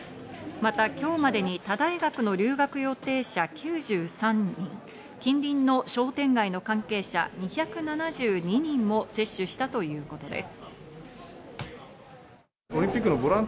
また今日までに他大学の留学予定者９３人、近隣の商店街の関係者２７２人も接種したということです。